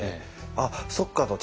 あっそっかと。